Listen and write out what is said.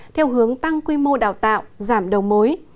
theo hướng tăng quy mô đào tạo giảm đầu mối